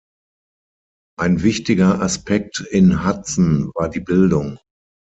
Ein wichtiger Aspekt in Hudson war die Bildung.